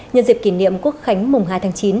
nhân dịp kỷ niệm quốc khánh mùng hai tháng chín